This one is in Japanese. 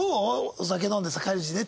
お酒飲んでさ帰り道ね